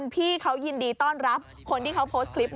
พี่เขายินดีต้อนรับคนที่เขาโพสต์คลิป